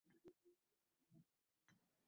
Ey sen, yuragimda otashli oqqan?